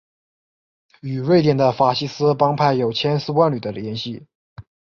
与瑞典的法西斯帮派有千丝万缕的联系。